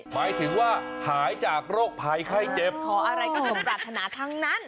หมายถึงว่าหายจากโรคภัยไข้เจ็บขออะไรก็สมปรารถนาทั้งนั้น